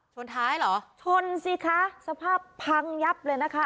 ชนท้ายเหรอชนสิคะสภาพพังยับเลยนะคะ